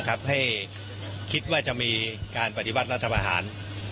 ให้คิดว่าจะมีการปฏิวัติรัฐประหาร